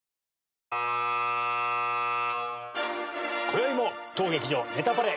こよいも当劇場『ネタパレ』